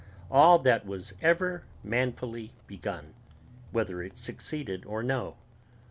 all that was ever manfully begun, whether it succeeded or no